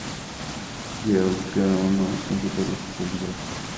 Joe, Cada uno con su propia especialidad.